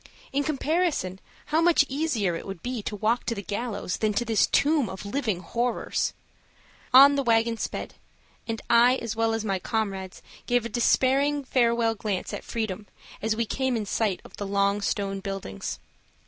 In comparison, how much easier it would be to walk to the gallows than to this tomb of living horrors! On the wagon sped, and I, as well as my comrades, gave a despairing farewell glance at freedom as we came in sight of the long stone buildings.